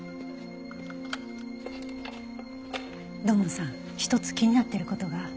土門さん一つ気になってる事が。